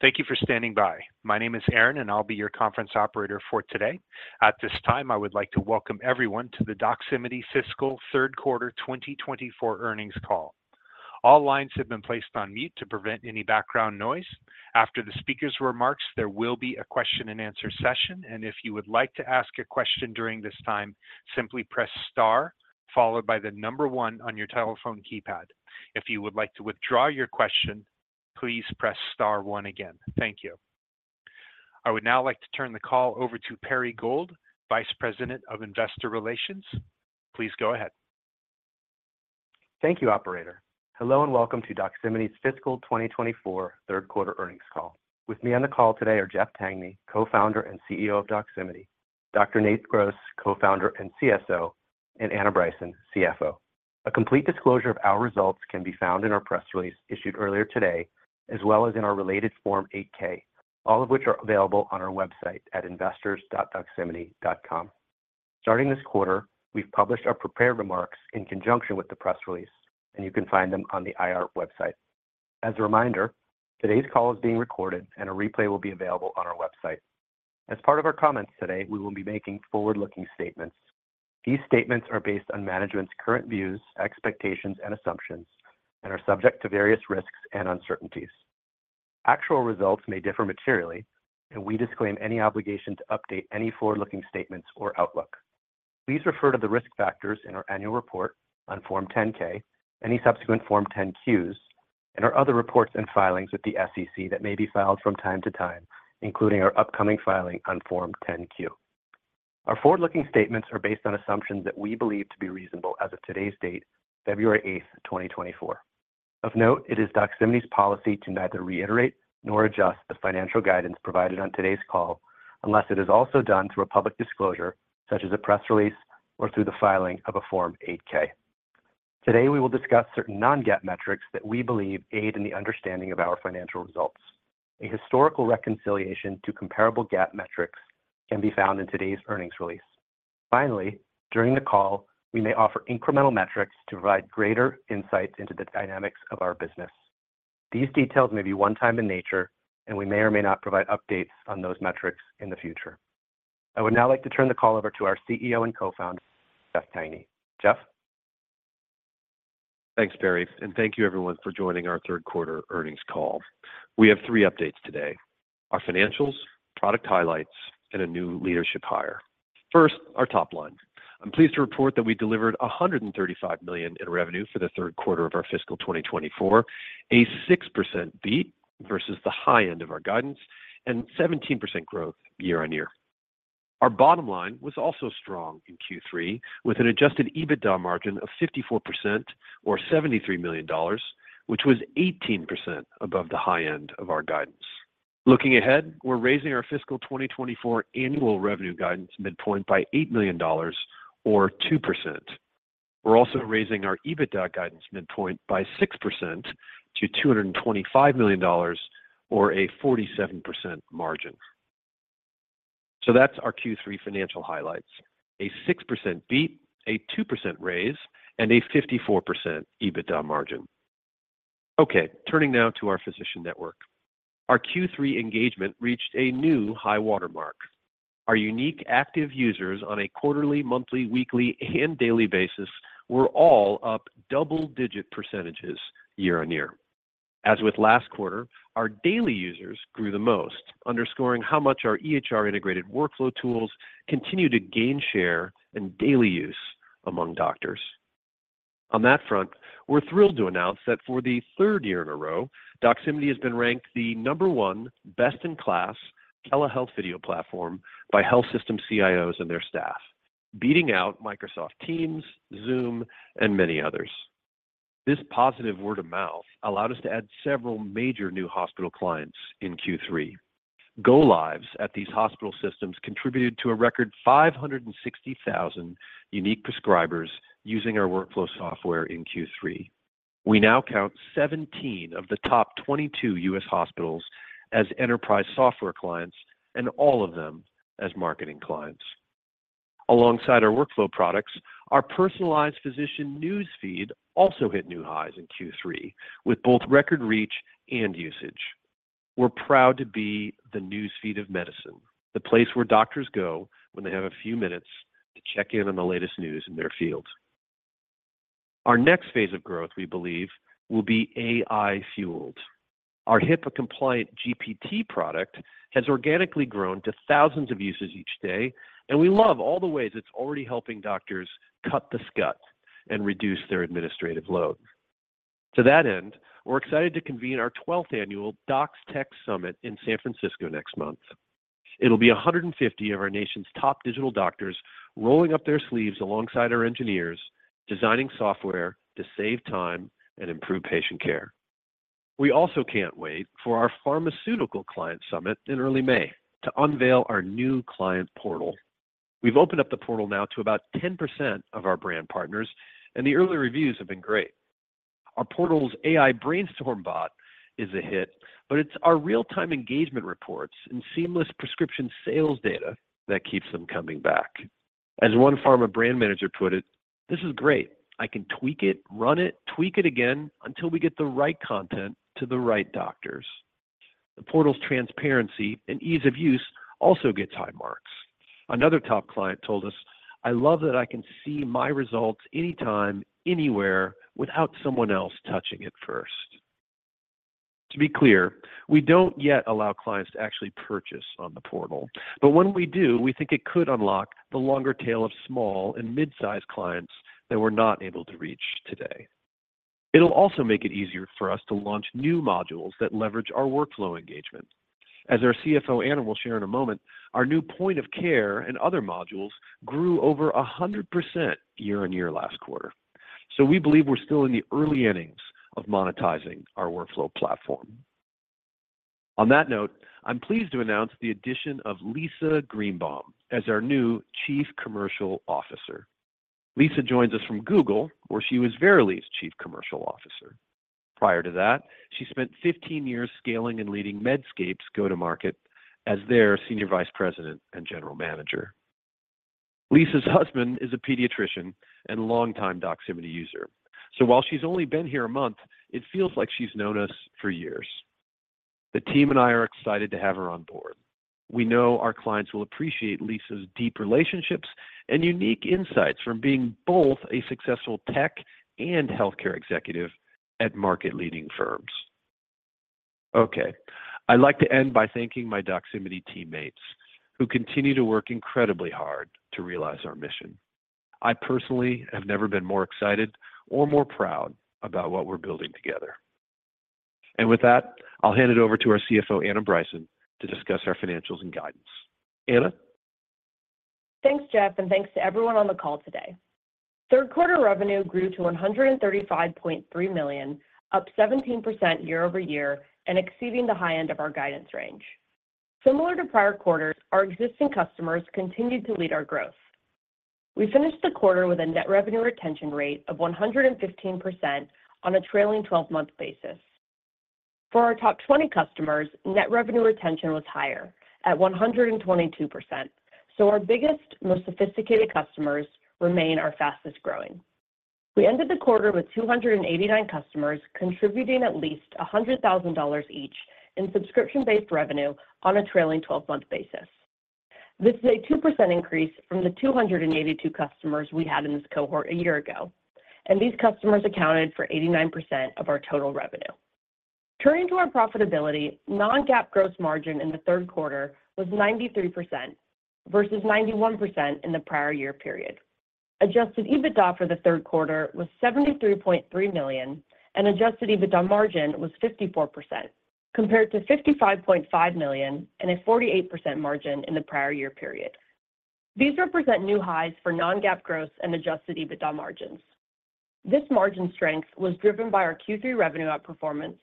Thank you for standing by. My name is Aaron, and I'll be your conference operator for today. At this time, I would like to welcome everyone to the Doximity Fiscal Third Quarter 2024 earnings call. All lines have been placed on mute to prevent any background noise. After the speaker's remarks, there will be a question and answer session, and if you would like to ask a question during this time, simply press star followed by the number one on your telephone keypad. If you would like to withdraw your question, please press star one again. Thank you. I would now like to turn the call over to Perry Gold, Vice President of Investor Relations. Please go ahead. Thank you, operator. Hello, and welcome to Doximity's fiscal 2024 third quarter earnings call. With me on the call today are Jeff Tangney, Co-founder and CEO of Doximity, Dr. Nate Gross, Co-founder and CSO, and Anna Bryson, CFO. A complete disclosure of our results can be found in our press release issued earlier today, as well as in our related Form 8-K, all of which are available on our website at investors.doximity.com. Starting this quarter, we've published our prepared remarks in conjunction with the press release, and you can find them on the IR website. As a reminder, today's call is being recorded and a replay will be available on our website. As part of our comments today, we will be making forward-looking statements. These statements are based on management's current views, expectations and assumptions and are subject to various risks and uncertainties. Actual results may differ materially, and we disclaim any obligation to update any forward-looking statements or outlook. Please refer to the risk factors in our annual report on Form 10-K, any subsequent Form 10-Qs, and our other reports and filings with the SEC that may be filed from time to time, including our upcoming filing on Form 10-Q. Our forward-looking statements are based on assumptions that we believe to be reasonable as of today's date, February 8th, 2024. Of note, it is Doximity's policy to neither reiterate nor adjust the financial guidance provided on today's call unless it is also done through a public disclosure, such as a press release or through the filing of a Form 8-K. Today, we will discuss certain non-GAAP metrics that we believe aid in the understanding of our financial results. A historical reconciliation to comparable GAAP metrics can be found in today's earnings release. Finally, during the call, we may offer incremental metrics to provide greater insights into the dynamics of our business. These details may be one time in nature, and we may or may not provide updates on those metrics in the future. I would now like to turn the call over to our CEO and Co-founder, Jeff Tangney. Jeff? Thanks, Perry, and thank you everyone for joining our third quarter earnings call. We have three updates today: our financials, product highlights, and a new leadership hire. First, our top line. I'm pleased to report that we delivered $135 million in revenue for the third quarter of our fiscal 2024, a 6% beat versus the high end of our guidance and 17% growth year-on-year. Our bottom line was also strong in Q3, with an adjusted EBITDA margin of 54% or $73 million, which was 18% above the high end of our guidance. Looking ahead, we're raising our fiscal 2024 annual revenue guidance midpoint by $8 million or 2%. We're also raising our EBITDA guidance midpoint by 6% to $225 million or a 47% margin. That's our Q3 financial highlights, a 6% beat, a 2% raise, and a 54% EBITDA margin. Okay, turning now to our physician network. Our Q3 engagement reached a new high watermark. Our unique active users on a quarterly, monthly, weekly, and daily basis were all up double-digit percentages year-on-year. As with last quarter, our daily users grew the most, underscoring how much our EHR-integrated workflow tools continue to gain share and daily use among doctors. On that front, we're thrilled to announce that for the third year in a row, Doximity has been ranked the number one best-in-class telehealth video platform by health system CIOs and their staff, beating out Microsoft Teams, Zoom, and many others. This positive word of mouth allowed us to add several major new hospital clients in Q3. Go-lives at these hospital systems contributed to a record 560,000 unique prescribers using our workflow software in Q3. We now count 17 of the top 22 U.S. hospitals as enterprise software clients and all of them as marketing clients. Alongside our workflow products, our personalized physician newsfeed also hit new highs in Q3, with both record reach and usage. We're proud to be the newsfeed of medicine, the place where doctors go when they have a few minutes to check in on the latest news in their field. Our next phase of growth, we believe, will be AI-fueled. Our HIPAA-compliant GPT product has organically grown to thousands of users each day, and we love all the ways it's already helping doctors cut the scut and reduce their administrative load. To that end, we're excited to convene our 12th annual Dox Tech Summit in San Francisco next month. It'll be 150 of our nation's top digital doctors rolling up their sleeves alongside our engineers, designing software to save time and improve patient care. We also can't wait for our Pharmaceutical Client Summit in early May to unveil our new client portal. We've opened up the portal now to about 10% of our brand partners, and the early reviews have been great. Our portal's AI brainstorm bot is a hit, but it's our real-time engagement reports and seamless prescription sales data that keeps them coming back. As one pharma brand manager put it, "This is great. I can tweak it, run it, tweak it again until we get the right content to the right doctors." The portal's transparency and ease of use also gets high marks. Another top client told us, "I love that I can see my results anytime, anywhere, without someone else touching it first." To be clear, we don't yet allow clients to actually purchase on the portal, but when we do, we think it could unlock the longer tail of small and mid-sized clients that we're not able to reach today. It'll also make it easier for us to launch new modules that leverage our workflow engagement. As our CFO, Anna, will share in a moment, our new point of care and other modules grew over 100% year-on-year last quarter. So we believe we're still in the early innings of monetizing our workflow platform. On that note, I'm pleased to announce the addition of Lisa Greenbaum as our new Chief Commercial Officer. Lisa joins us from Google, where she was Verily's Chief Commercial Officer. Prior to that, she spent 15 years scaling and leading Medscape's go-to-market as their Senior Vice President and General Manager. Lisa's husband is a pediatrician and longtime Doximity user. So while she's only been here a month, it feels like she's known us for years. The team and I are excited to have her on board. We know our clients will appreciate Lisa's deep relationships and unique insights from being both a successful tech and healthcare executive at market-leading firms. Okay, I'd like to end by thanking my Doximity teammates, who continue to work incredibly hard to realize our mission. I personally have never been more excited or more proud about what we're building together. And with that, I'll hand it over to our CFO, Anna Bryson, to discuss our financials and guidance. Anna? Thanks, Jeff, and thanks to everyone on the call today. Third quarter revenue grew to $135.3 million, up 17% year-over-year and exceeding the high end of our guidance range. Similar to prior quarters, our existing customers continued to lead our growth. We finished the quarter with a net revenue retention rate of 115% on a trailing 12-month basis. For our top 20 customers, net revenue retention was higher at 122%, so our biggest, most sophisticated customers remain our fastest-growing. We ended the quarter with 289 customers, contributing at least $100,000 each in subscription-based revenue on a trailing twelve-month basis. This is a 2% increase from the 282 customers we had in this cohort a year ago, and these customers accounted for 89% of our total revenue. Turning to our profitability, non-GAAP gross margin in the third quarter was 93% versus 91% in the prior year period. Adjusted EBITDA for the third quarter was $73.3 million, and adjusted EBITDA margin was 54%, compared to $55.5 million and a 48% margin in the prior year period. These represent new highs for non-GAAP gross and adjusted EBITDA margins. This margin strength was driven by our Q3 revenue outperformance,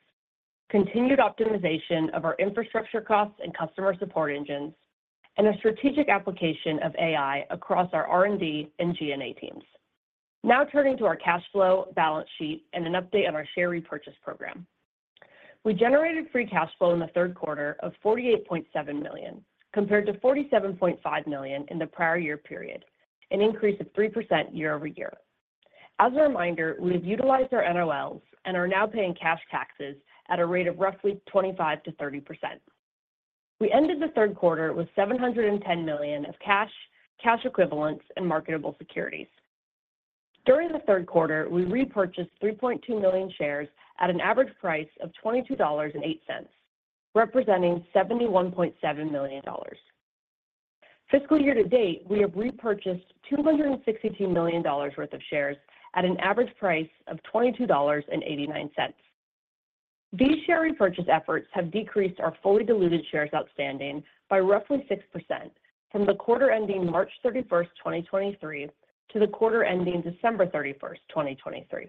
continued optimization of our infrastructure costs and customer support engines, and a strategic application of AI across our R&D and G&A teams. Now turning to our cash flow balance sheet and an update on our share repurchase program. We generated free cash flow in the third quarter of $48.7 million, compared to $47.5 million in the prior year period, an increase of 3% year-over-year. As a reminder, we have utilized our NOLs and are now paying cash taxes at a rate of roughly 25%-30%. We ended the third quarter with $710 million of cash, cash equivalents, and marketable securities. During the third quarter, we repurchased 3.2 million shares at an average price of $22.08, representing $71.7 million. Fiscal year to date, we have repurchased $262 million worth of shares at an average price of $22.89. These share repurchase efforts have decreased our fully diluted shares outstanding by roughly 6% from the quarter ending March 31, 2023, to the quarter ending December 31, 2023.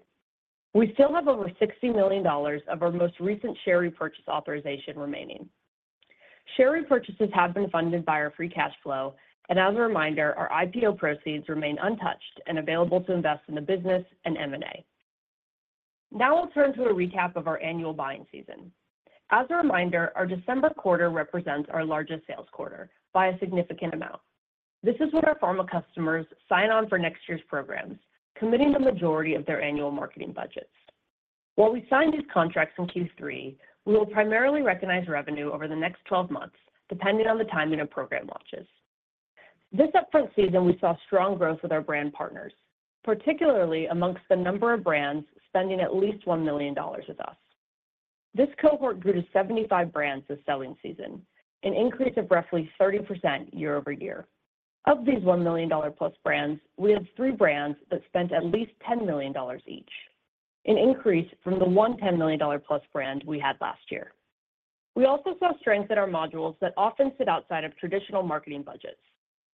We still have over $60 million of our most recent share repurchase authorization remaining. Share repurchases have been funded by our free cash flow, and as a reminder, our IPO proceeds remain untouched and available to invest in the business and M&A. Now I'll turn to a recap of our annual buying season. As a reminder, our December quarter represents our largest sales quarter by a significant amount. This is when our pharma customers sign on for next year's programs, committing the majority of their annual marketing budgets. While we sign these contracts in Q3, we will primarily recognize revenue over the next 12 months, depending on the timing of program launches. This upfront season, we saw strong growth with our brand partners, particularly among the number of brands spending at least $1 million with us. This cohort grew to 75 brands this selling season, an increase of roughly 30% year-over-year. Of these $1+ million brands, we had three brands that spent at least $10 million each, an increase from the one $10+ million brand we had last year. We also saw strength in our modules that often sit outside of traditional marketing budgets,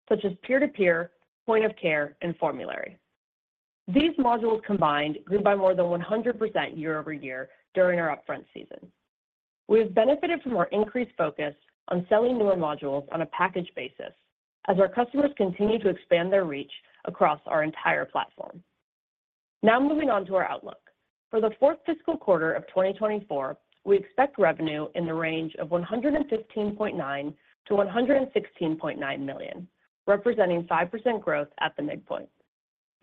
such as peer-to-peer, point of care, and formulary. These modules combined grew by more than 100% year-over-year during our upfront season. We have benefited from our increased focus on selling newer modules on a package basis as our customers continue to expand their reach across our entire platform. Now moving on to our outlook. For the fourth fiscal quarter of 2024, we expect revenue in the range of $115.9 million-$116.9 million, representing 5% growth at the midpoint.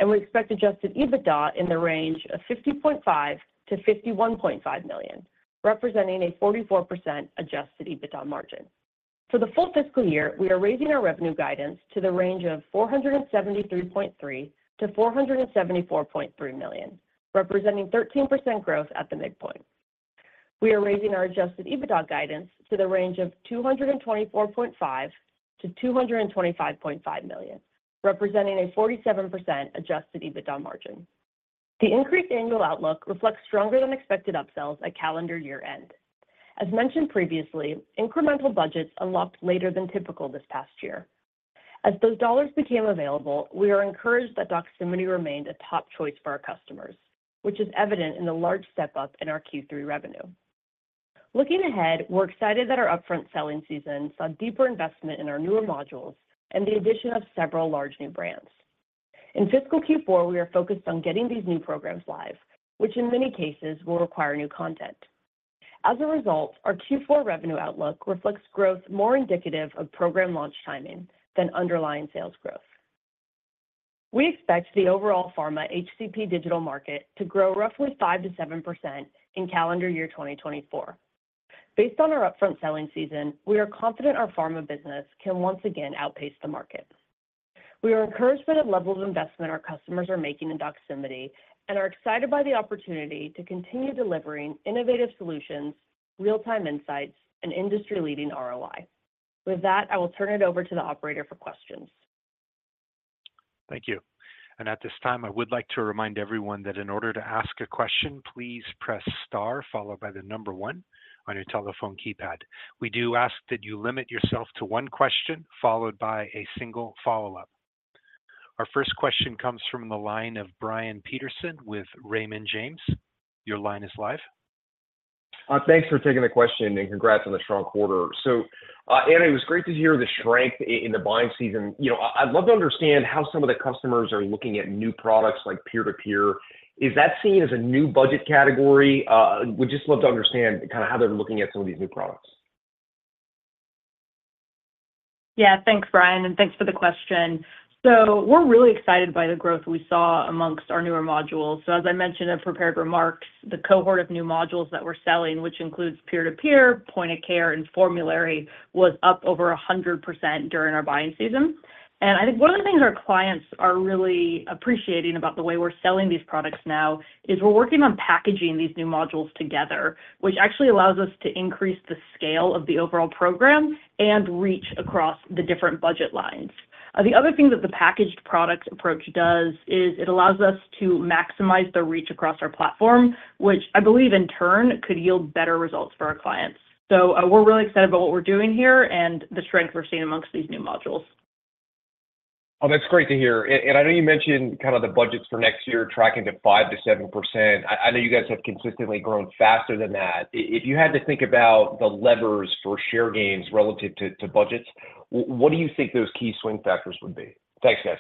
We expect adjusted EBITDA in the range of $50.5 million-$51.5 million, representing a 44% adjusted EBITDA margin. For the full fiscal year, we are raising our revenue guidance to the range of $473.3 million-$474.3 million, representing 13% growth at the midpoint. We are raising our adjusted EBITDA guidance to the range of $224.5 million-$225.5 million, representing a 47% adjusted EBITDA margin. The increased annual outlook reflects stronger than expected upsells at calendar year-end. As mentioned previously, incremental budgets unlocked later than typical this past year. As those dollars became available, we are encouraged that Doximity remained a top choice for our customers, which is evident in the large step up in our Q3 revenue. Looking ahead, we're excited that our upfront selling season saw deeper investment in our newer modules and the addition of several large new brands. In fiscal Q4, we are focused on getting these new programs live, which in many cases will require new content. As a result, our Q4 revenue outlook reflects growth more indicative of program launch timing than underlying sales growth. We expect the overall pharma HCP digital market to grow roughly 5%-7% in calendar year 2024. Based on our upfront selling season, we are confident our pharma business can once again outpace the market. We are encouraged by the level of investment our customers are making in Doximity, and are excited by the opportunity to continue delivering innovative solutions, real-time insights, and industry-leading ROI. With that, I will turn it over to the operator for questions. Thank you. At this time, I would like to remind everyone that in order to ask a question, please press star followed by the number one on your telephone keypad. We do ask that you limit yourself to one question followed by a single follow-up. Our first question comes from the line of Brian Peterson with Raymond James. Your line is live. Thanks for taking the question, and congrats on the strong quarter. So, Anna, it was great to hear the strength in the buying season. You know, I'd love to understand how some of the customers are looking at new products like peer-to-peer. Is that seen as a new budget category? We'd just love to understand kind of how they're looking at some of these new products. Yeah. Thanks, Brian, and thanks for the question. So we're really excited by the growth we saw amongst our newer modules. So as I mentioned in prepared remarks, the cohort of new modules that we're selling, which includes peer-to-peer, point of care, and formulary, was up over 100% during our buying season. And I think one of the things our clients are really appreciating about the way we're selling these products now is we're working on packaging these new modules together, which actually allows us to increase the scale of the overall program and reach across the different budget lines. The other thing that the packaged product approach does is it allows us to maximize the reach across our platform, which I believe in turn, could yield better results for our clients. So, we're really excited about what we're doing here and the strength we're seeing among these new modules. Oh, that's great to hear. And I know you mentioned kind of the budgets for next year tracking to 5%-7%. I know you guys have consistently grown faster than that. If you had to think about the levers for share gains relative to budgets, what do you think those key swing factors would be? Thanks, guys.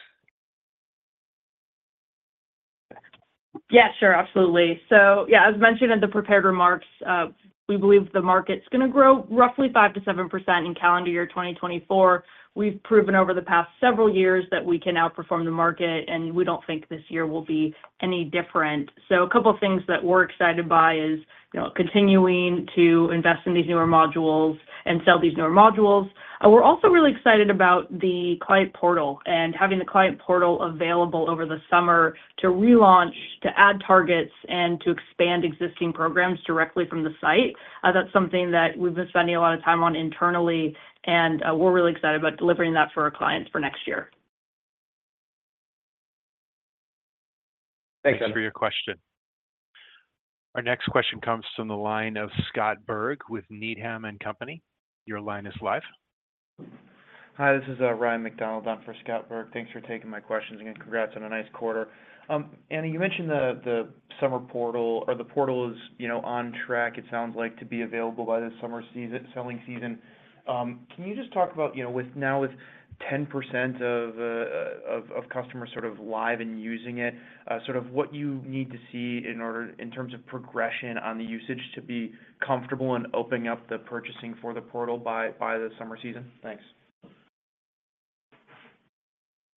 Yeah, sure. Absolutely. So yeah, as mentioned in the prepared remarks, we believe the market's gonna grow roughly 5%-7% in calendar year 2024. We've proven over the past several years that we can outperform the market, and we don't think this year will be any different. So a couple of things that we're excited by is, you know, continuing to invest in these newer modules and sell these newer modules. And we're also really excited about the client portal and having the client portal available over the summer to relaunch, to add targets, and to expand existing programs directly from the site. That's something that we've been spending a lot of time on internally, and we're really excited about delivering that for our clients for next year. Thanks, Anna. Thank you for your question. Our next question comes from the line of Scott Berg with Needham & Company. Your line is live. Hi, this is Ryan MacDonald on for Scott Berg. Thanks for taking my questions, and congrats on a nice quarter. Anna, you mentioned the summer portal or the portal is, you know, on track, it sounds like to be available by the summer season, selling season. Can you just talk about, you know, with now with 10% of of customers sort of live and using it, sort of what you need to see in order in terms of progression on the usage to be comfortable in opening up the purchasing for the portal by the summer season? Thanks.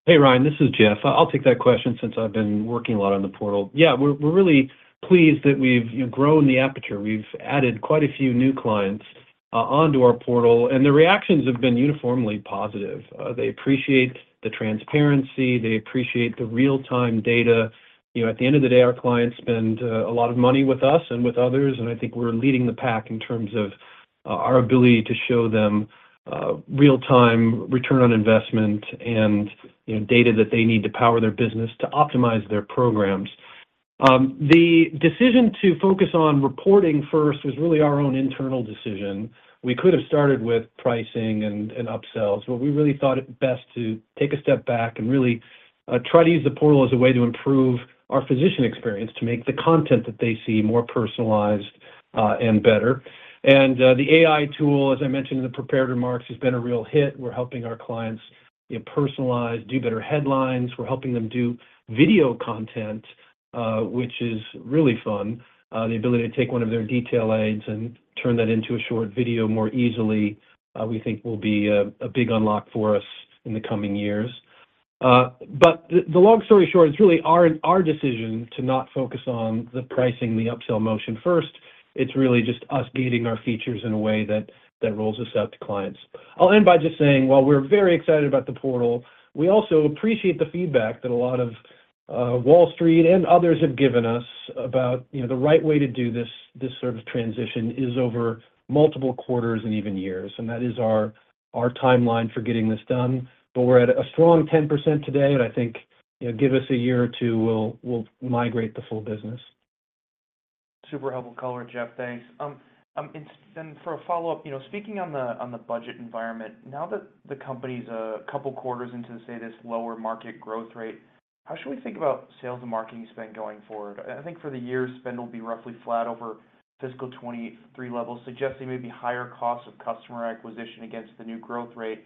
Hey, Ryan, this is Jeff. I'll take that question since I've been working a lot on the portal. Yeah, we're really pleased that we've, you know, grown the aperture. We've added quite a few new clients onto our portal, and the reactions have been uniformly positive. They appreciate the transparency, they appreciate the real-time data. You know, at the end of the day, our clients spend a lot of money with us and with others, and I think we're leading the pack in terms of our ability to show them real-time return on investment and, you know, data that they need to power their business to optimize their programs. The decision to focus on reporting first was really our own internal decision. We could have started with pricing and upsells, but we really thought it best to take a step back and really try to use the portal as a way to improve our physician experience, to make the content that they see more personalized and better. And the AI tool, as I mentioned in the prepared remarks, has been a real hit. We're helping our clients, you know, personalize, do better headlines. We're helping them do video content, which is really fun. The ability to take one of their detail aids and turn that into a short video more easily, we think will be a big unlock for us in the coming years. But the long story short, it's really our decision to not focus on the pricing, the upsell motion first. It's really just us gating our features in a way that, that rolls us out to clients. I'll end by just saying, while we're very excited about the portal, we also appreciate the feedback that a lot of Wall Street and others have given us about, you know, the right way to do this, this sort of transition is over multiple quarters and even years, and that is our, our timeline for getting this done. But we're at a strong 10% today, and I think, you know, give us a year or two, we'll, we'll migrate the full business. Super helpful color, Jeff, thanks. And then for a follow-up, you know, speaking on the, on the budget environment, now that the company's a couple quarters into, say, this lower market growth rate, how should we think about sales and marketing spend going forward? I think for the year, spend will be roughly flat over fiscal 2023 levels, suggesting maybe higher costs of customer acquisition against the new growth rate.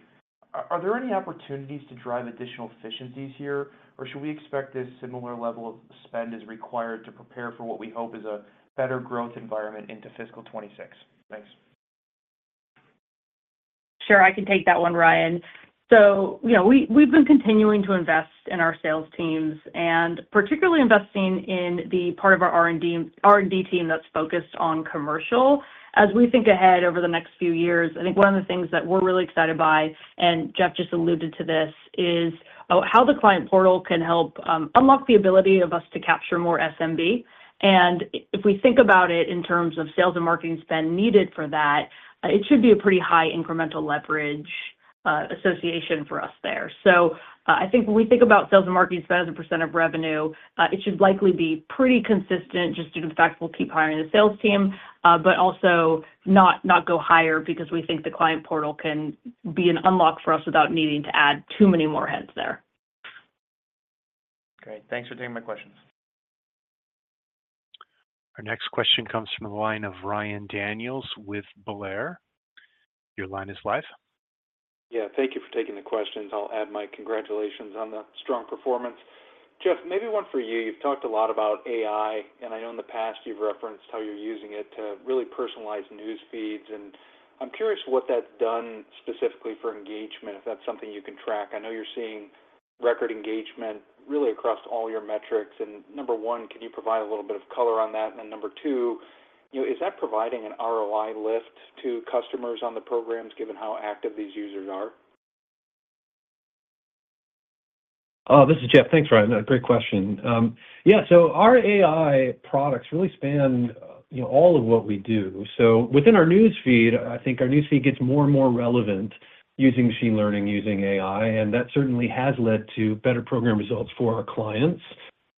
Are, are there any opportunities to drive additional efficiencies here, or should we expect a similar level of spend is required to prepare for what we hope is a better growth environment into fiscal 2026? Thanks. Sure, I can take that one, Ryan. So, you know, we've been continuing to invest in our sales teams, and particularly investing in the part of our R&D team that's focused on commercial. As we think ahead over the next few years, I think one of the things that we're really excited by, and Jeff just alluded to this, is how the client portal can help unlock the ability of us to capture more SMB. And if we think about it in terms of sales and marketing spend needed for that, it should be a pretty high incremental leverage association for us there. So, I think when we think about sales and marketing spend as a percent of revenue, it should likely be pretty consistent, just due to the fact that we'll keep hiring the sales team, but also not, not go higher because we think the client portal can be an unlock for us without needing to add too many more heads there. Great. Thanks for taking my questions. Our next question comes from the line of Ryan Daniels with William Blair. Your line is live. Yeah, thank you for taking the questions. I'll add my congratulations on the strong performance. Jeff, maybe one for you. You've talked a lot about AI, and I know in the past you've referenced how you're using it to really personalize news feeds, and I'm curious what that's done specifically for engagement, if that's something you can track. I know you're seeing record engagement really across all your metrics, and number one, can you provide a little bit of color on that? And then number two, you know, is that providing an ROI lift to customers on the programs, given how active these users are? This is Jeff. Thanks, Ryan. Great question. Yeah, so our AI products really span, you know, all of what we do. So within our newsfeed, I think our newsfeed gets more and more relevant using machine learning, using AI, and that certainly has led to better program results for our clients,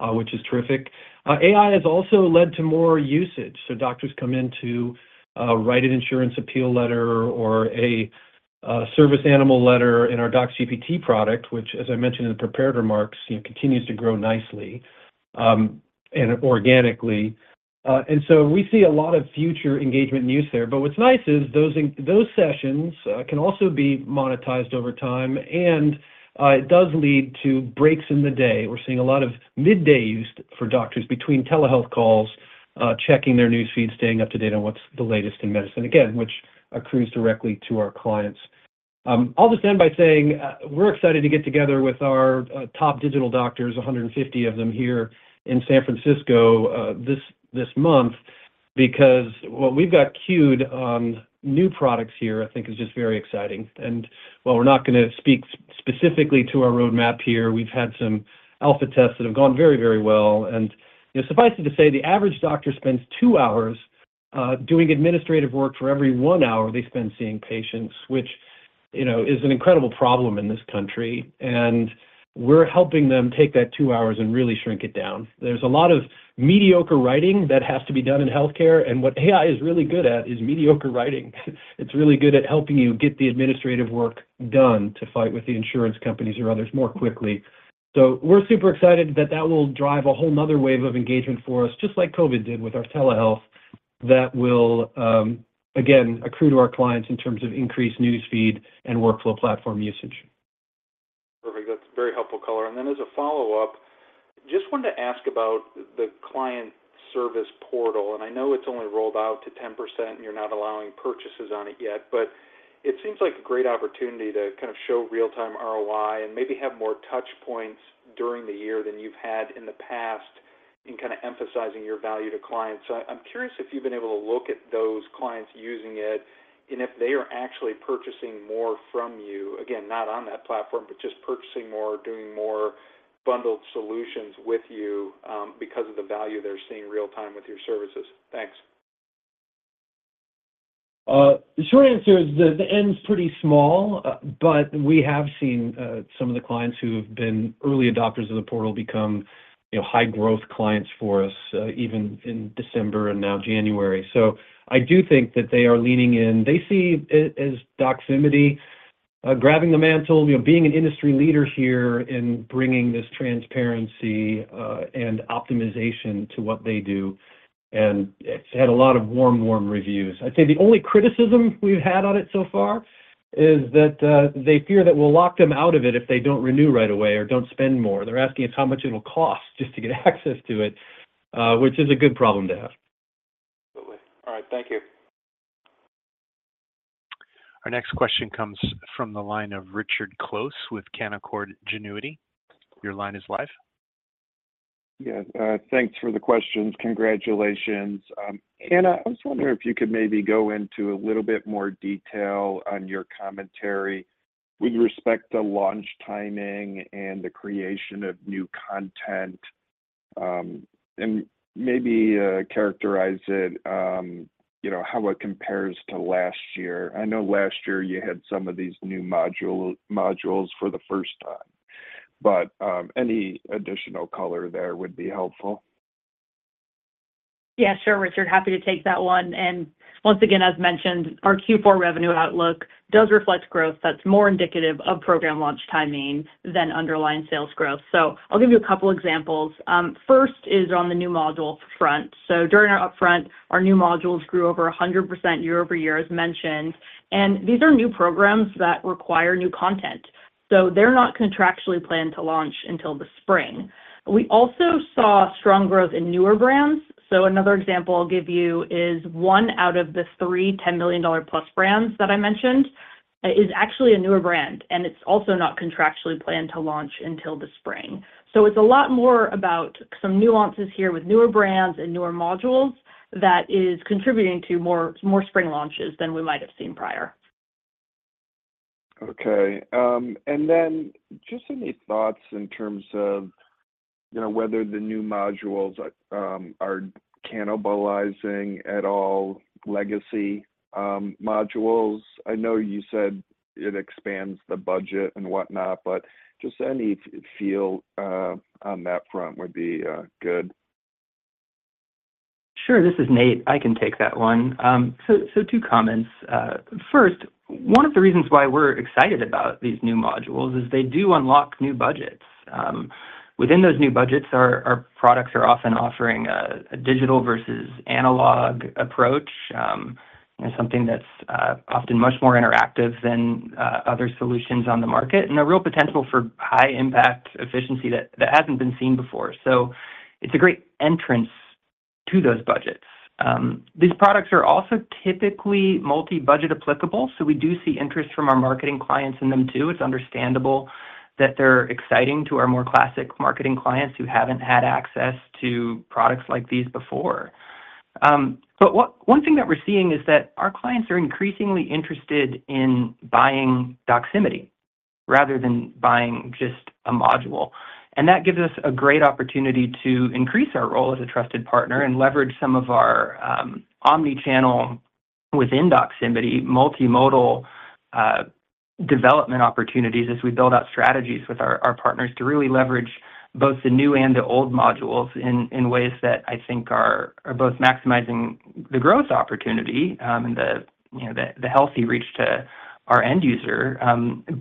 which is terrific. AI has also led to more usage. So doctors come in to write an insurance appeal letter or a service animal letter in our DoxGPT product, which, as I mentioned in the prepared remarks, you know, continues to grow nicely, and organically. And so we see a lot of future engagement and use there. But what's nice is those sessions can also be monetized over time, and it does lead to breaks in the day. We're seeing a lot of middays for doctors between telehealth calls, checking their newsfeed, staying up to date on what's the latest in medicine, again, which accrues directly to our clients. I'll just end by saying, we're excited to get together with our top digital doctors, 150 of them here in San Francisco, this month, because what we've got cued on new products here, I think is just very exciting. And while we're not gonna speak specifically to our roadmap here, we've had some alpha tests that have gone very, very well. And, you know, suffice it to say, the average doctor spends two hours doing administrative work for every one hour they spend seeing patients, which, you know, is an incredible problem in this country, and we're helping them take that two hours and really shrink it down. There's a lot of mediocre writing that has to be done in healthcare, and what AI is really good at is mediocre writing. It's really good at helping you get the administrative work done to fight with the insurance companies or others more quickly. So we're super excited that that will drive a whole another wave of engagement for us, just like COVID did with our telehealth. That will, again, accrue to our clients in terms of increased newsfeed and workflow platform usage. Perfect. That's a very helpful color. And then as a follow-up, just wanted to ask about the client service portal, and I know it's only rolled out to 10%, and you're not allowing purchases on it yet, but it seems like a great opportunity to kind of show real-time ROI and maybe have more touch points during the year than you've had in the past in kind of emphasizing your value to clients. So I'm curious if you've been able to look at those clients using it, and if they are actually purchasing more from you, again, not on that platform, but just purchasing more, doing more bundled solutions with you, because of the value they're seeing real time with your services. Thanks. The short answer is the end's pretty small, but we have seen some of the clients who have been early adopters of the portal become, you know, high-growth clients for us, even in December and now January. So I do think that they are leaning in. They see it as Doximity, grabbing the mantle, you know, being an industry leader here in bringing this transparency and optimization to what they do, and it's had a lot of warm, warm reviews. I'd say the only criticism we've had on it so far is that they fear that we'll lock them out of it if they don't renew right away or don't spend more. They're asking us how much it'll cost just to get access to it, which is a good problem to have. Absolutely. All right, thank you. Our next question comes from the line of Richard Close with Canaccord Genuity. Your line is live. Yes, thanks for the questions. Congratulations. Anna, I was wondering if you could maybe go into a little bit more detail on your commentary with respect to launch timing and the creation of new content, and maybe characterize it, you know, how it compares to last year. I know last year you had some of these new modules for the first time, but any additional color there would be helpful. Yeah, sure, Richard. Happy to take that one. And once again, as mentioned, our Q4 revenue outlook does reflect growth that's more indicative of program launch timing than underlying sales growth. So I'll give you a couple examples. First is on the new module front. So during our upfront, our new modules grew over 100% year-over-year, as mentioned, and these are new programs that require new content, so they're not contractually planned to launch until the spring. We also saw strong growth in newer brands. So another example I'll give you is one out of the three $10+ million brands that I mentioned, is actually a newer brand, and it's also not contractually planned to launch until the spring. It's a lot more about some nuances here with newer brands and newer modules that is contributing to more spring launches than we might have seen prior. Okay, and then just any thoughts in terms of, you know, whether the new modules are cannibalizing at all legacy modules? I know you said it expands the budget and whatnot, but just any feel on that front would be good. Sure, this is Nate. I can take that one. So, so two comments. First, one of the reasons why we're excited about these new modules is they do unlock new budgets. Within those new budgets, our, our products are often offering a, a digital versus analog approach, and something that's, often much more interactive than, other solutions on the market, and a real potential for high impact efficiency that, that hasn't been seen before. So it's a great entrance to those budgets. These products are also typically multi-budget applicable, so we do see interest from our marketing clients in them, too. It's understandable that they're exciting to our more classic marketing clients who haven't had access to products like these before. One thing that we're seeing is that our clients are increasingly interested in buying Doximity rather than buying just a module, and that gives us a great opportunity to increase our role as a trusted partner and leverage some of our omni-channel within Doximity, multimodal development opportunities as we build out strategies with our partners to really leverage both the new and the old modules in ways that I think are both maximizing the growth opportunity, and you know, the healthy reach to our end user,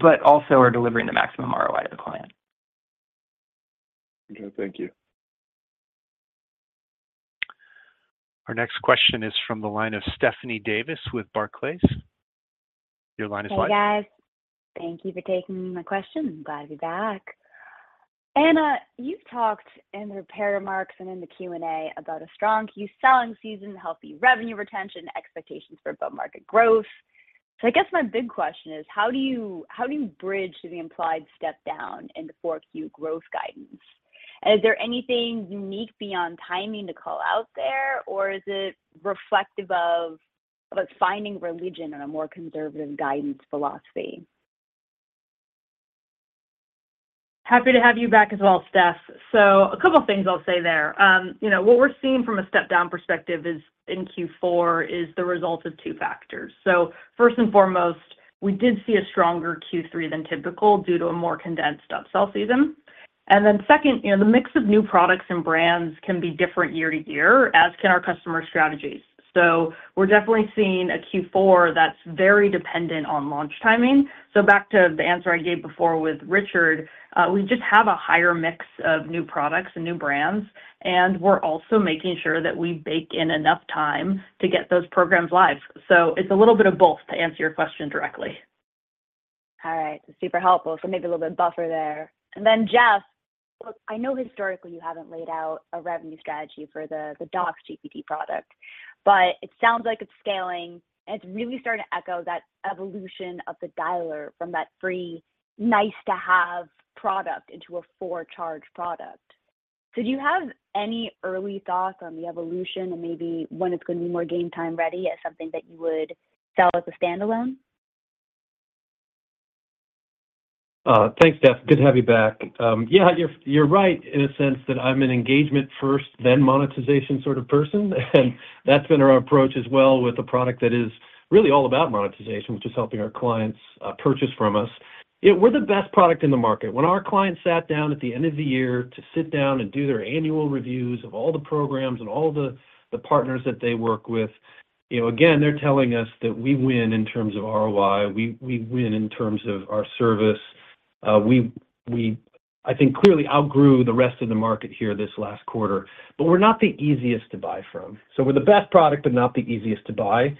but also are delivering the maximum ROI to the client. Okay, thank you. Our next question is from the line of Stephanie Davis with Barclays. Your line is live. Hi, guys. Thank you for taking my question. Glad to be back. Anna, you've talked in the prepared remarks and in the Q&A about a strong key selling season, healthy revenue retention, expectations for above-market growth. So I guess my big question is: how do you, how do you bridge the implied step down in the 4Q growth guidance? And is there anything unique beyond timing to call out there, or is it reflective of, of finding religion in a more conservative guidance philosophy? Happy to have you back as well, Steph. So a couple of things I'll say there. You know, what we're seeing from a step-down perspective is, in Q4, is the result of two factors. So first and foremost, we did see a stronger Q3 than typical due to a more condensed upsell season. And then second, you know, the mix of new products and brands can be different year to year, as can our customer strategies. So we're definitely seeing a Q4 that's very dependent on launch timing. So back to the answer I gave before with Richard, we just have a higher mix of new products and new brands, and we're also making sure that we bake in enough time to get those programs live. So it's a little bit of both, to answer your question directly. All right. Super helpful. So maybe a little bit of buffer there. And then, Jeff, look, I know historically you haven't laid out a revenue strategy for the, the DoxGPT product, but it sounds like it's scaling, and it's really starting to echo that evolution of the Dialer from that free, nice-to-have product into a for-charge product. So do you have any early thoughts on the evolution and maybe when it's going to be more game time ready as something that you would sell as a standalone? Thanks, Steph. Good to have you back. Yeah, you're, you're right in a sense that I'm an engagement first, then monetization sort of person, and that's been our approach as well with a product that is really all about monetization, which is helping our clients purchase from us. Yeah, we're the best product in the market. When our clients sat down at the end of the year to sit down and do their annual reviews of all the programs and all the partners that they work with, you know, again, they're telling us that we win in terms of ROI. We win in terms of our service. I think, clearly outgrew the rest of the market here this last quarter, but we're not the easiest to buy from. So we're the best product, but not the easiest to buy,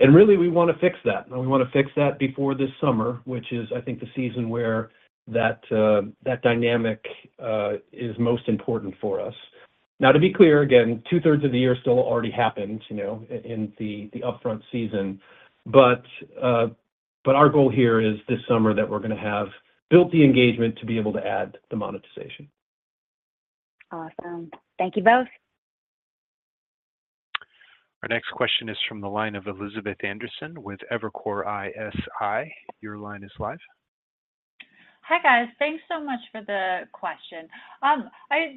and really, we wanna fix that, and we wanna fix that before this summer, which is, I think, the season where that dynamic is most important for us. Now, to be clear, again, 2/3 of the year still already happened, you know, in the upfront season. But, but our goal here is this summer that we're gonna have built the engagement to be able to add the monetization. Awesome. Thank you both. Our next question is from the line of Elizabeth Anderson with Evercore ISI. Your line is live. Hi, guys. Thanks so much for the question.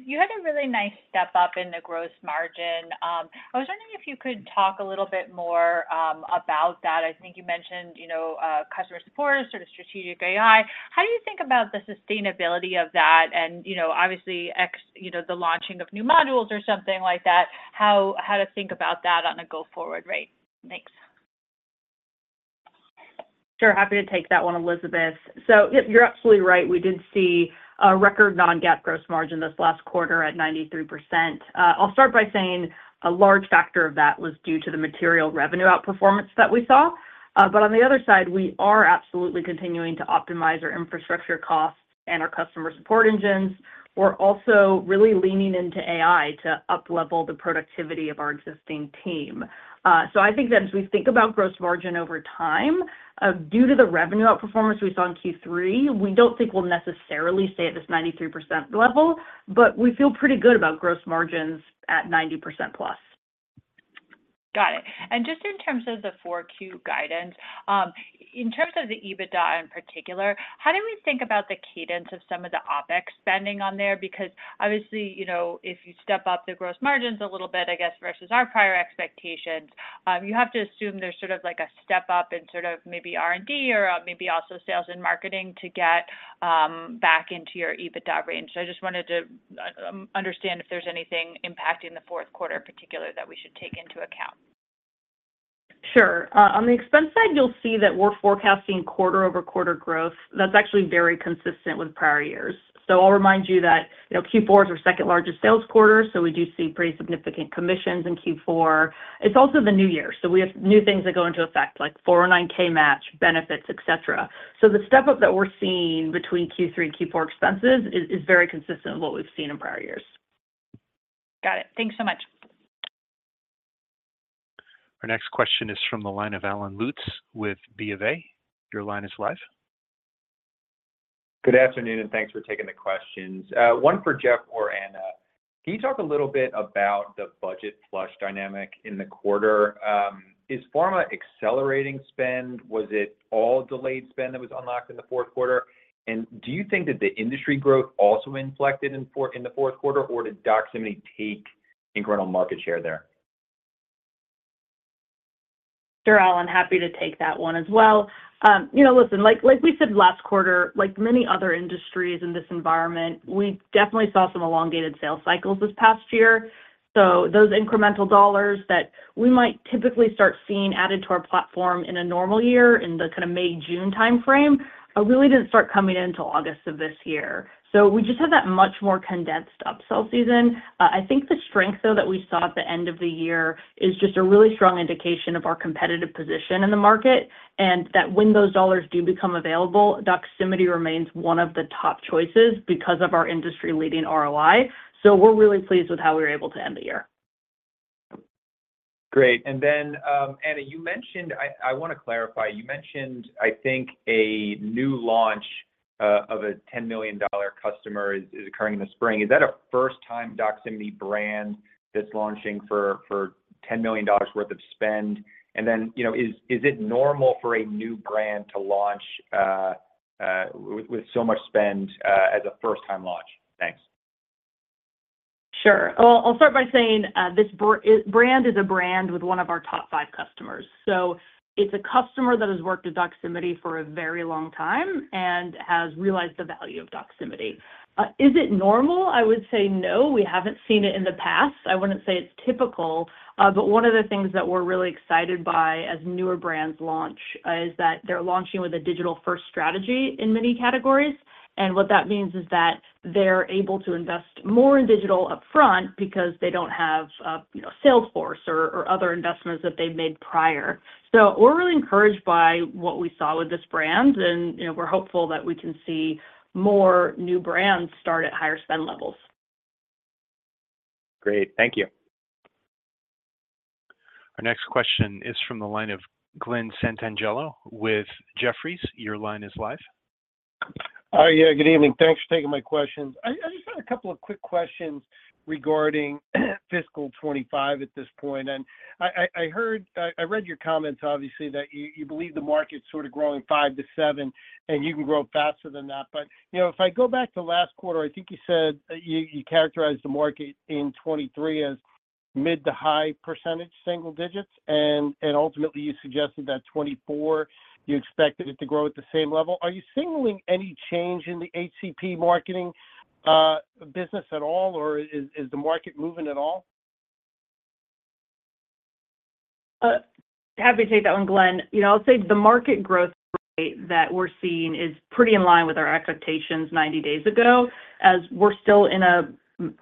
You had a really nice step up in the growth margin. I was wondering if you could talk a little bit more about that. I think you mentioned, you know, customer support, sort of strategic AI. How do you think about the sustainability of that and, you know, obviously, you know, the launching of new modules or something like that, how to think about that on a go-forward rate? Thanks. Sure, happy to take that one, Elizabeth. So, yep, you're absolutely right. We did see a record non-GAAP gross margin this last quarter at 93%. I'll start by saying a large factor of that was due to the material revenue outperformance that we saw. But on the other side, we are absolutely continuing to optimize our infrastructure costs and our customer support engines. We're also really leaning into AI to uplevel the productivity of our existing team. So I think that as we think about gross margin over time, due to the revenue outperformance we saw in Q3, we don't think we'll necessarily stay at this 93% level, but we feel pretty good about gross margins at 90%+. Got it. And just in terms of the Q4 guidance, in terms of the EBITDA in particular, how do we think about the cadence of some of the OpEx spending on there? Because obviously, you know, if you step up the gross margins a little bit, I guess, versus our prior expectations, you have to assume there's sort of like a step up in sort of maybe R&D or, maybe also sales and marketing to get, back into your EBITDA range. So I just wanted to understand if there's anything impacting the fourth quarter in particular that we should take into account. Sure. On the expense side, you'll see that we're forecasting quarter-over-quarter growth. That's actually very consistent with prior years. So I'll remind you that, you know, Q4 is our second largest sales quarter, so we do see pretty significant commissions in Q4. It's also the new year, so we have new things that go into effect, like 401(k) match, benefits, et cetera. So the step up that we're seeing between Q3 and Q4 expenses is very consistent with what we've seen in prior years. Got it. Thanks so much. Our next question is from the line of Allen Lutz with Bank of America. Your line is live. Good afternoon, and thanks for taking the questions. One for Jeff or Anna. Can you talk a little bit about the budget flush dynamic in the quarter? Is pharma accelerating spend? Was it all delayed spend that was unlocked in the fourth quarter? And do you think that the industry growth also inflected in the fourth quarter, or did Doximity take incremental market share there? Sure, Allen, happy to take that one as well. You know, listen, like, like we said last quarter, like many other industries in this environment, we definitely saw some elongated sales cycles this past year. So those incremental dollars that we might typically start seeing added to our platform in a kind of May, June timeframe, really didn't start coming in until August of this year. So we just had that much more condensed upsell season. I think the strength, though, that we saw at the end of the year is just a really strong indication of our competitive position in the market, and that when those dollars do become available, Doximity remains one of the top choices because of our industry-leading ROI. So we're really pleased with how we were able to end the year. Great. And then, Anna, you mentioned—I wanna clarify, you mentioned, I think, a new launch of a $10 million customer is occurring in the spring. Is that a first-time Doximity brand that's launching for $10 million worth of spend? And then, you know, is it normal for a new brand to launch with so much spend as a first-time launch? Thanks. Sure. Well, I'll start by saying, this brand is a brand with one of our top five customers. So it's a customer that has worked with Doximity for a very long time and has realized the value of Doximity. Is it normal? I would say no, we haven't seen it in the past. I wouldn't say it's typical, but one of the things that we're really excited by as newer brands launch, is that they're launching with a digital-first strategy in many categories. And what that means is that they're able to invest more in digital upfront because they don't have, you know, Salesforce or other investments that they've made prior. So we're really encouraged by what we saw with this brand, and, you know, we're hopeful that we can see more new brands start at higher spend levels. Great. Thank you. Our next question is from the line of Glen Santangelo with Jefferies. Your line is live. Yeah, good evening. Thanks for taking my questions. I just had a couple of quick questions regarding fiscal 2025 at this point. I heard, I read your comments, obviously, that you believe the market's sort of growing 5-7, and you can grow faster than that. But, you know, if I go back to last quarter, I think you said you characterized the market in 2023 as mid- to high percentage, single digits, and ultimately, you suggested that 2024, you expected it to grow at the same level. Are you signaling any change in the HCP marketing business at all, or is the market moving at all? Happy to take that one, Glen. You know, I'll say the market growth rate that we're seeing is pretty in line with our expectations 90 days ago, as we're still in a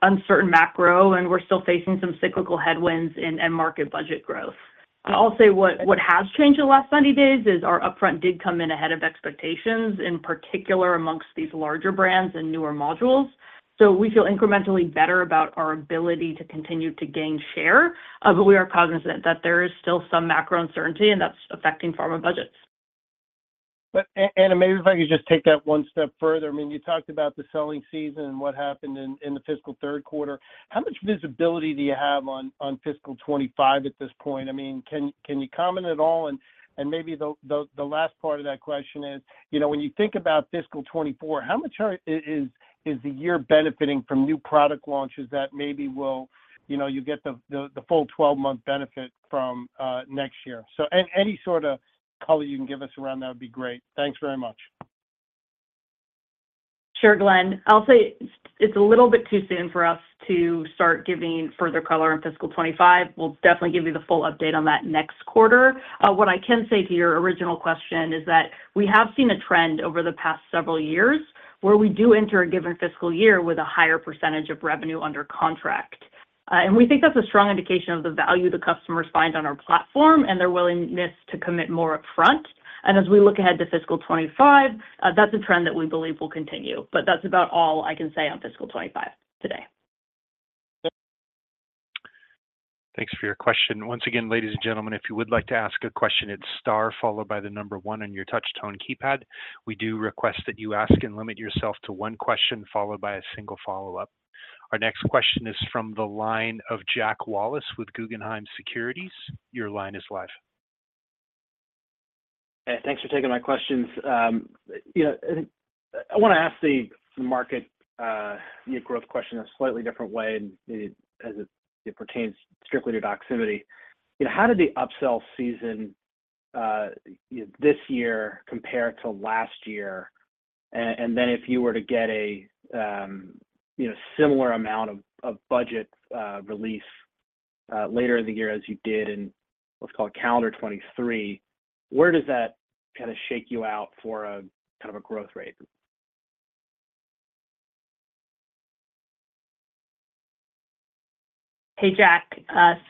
uncertain macro, and we're still facing some cyclical headwinds in end market budget growth. I'll say what has changed in the last 90 days is our upfront did come in ahead of expectations, in particular amongst these larger brands and newer modules. So we feel incrementally better about our ability to continue to gain share, but we are cognizant that there is still some macro uncertainty, and that's affecting pharma budgets. But Anna, maybe if I could just take that one step further. I mean, you talked about the selling season and what happened in the fiscal third quarter. How much visibility do you have on fiscal 2025 at this point? I mean, can you comment at all? And maybe the last part of that question is, you know, when you think about fiscal 2024, how much is the year benefiting from new product launches that maybe will, you know, you get the full 12-month benefit from next year? So any sort of color you can give us around that would be great. Thanks very much. Sure, Glen. I'll say it's a little bit too soon for us to start giving further color on fiscal 2025. We'll definitely give you the full update on that next quarter. What I can say to your original question is that we have seen a trend over the past several years where we do enter a given fiscal year with a higher percentage of revenue under contract. And we think that's a strong indication of the value the customers find on our platform and their willingness to commit more upfront. And as we look ahead to fiscal 2025, that's a trend that we believe will continue. But that's about all I can say on fiscal 2025 today. Thanks for your question. Once again, ladies and gentlemen, if you would like to ask a question, it's star followed by the number one on your touch-tone keypad. We do request that you ask and limit yourself to one question followed by a single follow-up. Our next question is from the line of Jack Wallace with Guggenheim Securities. Your line is live. Hey, thanks for taking my questions. You know, I think I want to ask the market growth question a slightly different way as it pertains strictly to Doximity. You know, how did the upsell season this year compare to last year? And then if you were to get a, you know, similar amount of budget release later in the year as you did in, let's call it calendar 2023, where does that kind of shake you out for a kind of a growth rate? Hey, Jack.